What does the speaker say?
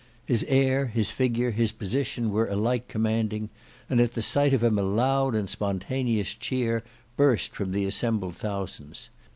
His air, his figure, his position were alike commanding, and at the sight of him a loud and spontaneous cheer burst from the assembled thousands.